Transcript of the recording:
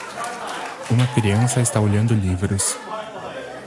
Uma criança está olhando livros.